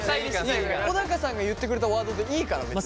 小高さんが言ってくれたワードでいいから別に。